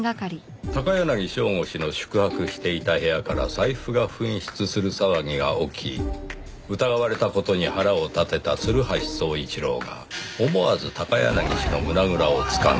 「高柳省吾氏の宿泊していた部屋から財布が紛失する騒ぎが起き疑われたことに腹を立てた鶴橋宗一郎が思わず高柳氏の胸倉を掴んだ」